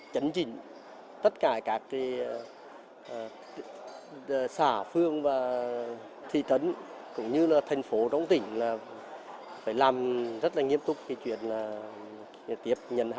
đồng thời đồng chỉ thị cũng nêu rõ việc điều tra xác minh làm rõ và xử lý nghiêm những vĩ phạm của những đơn vị đã xảy ra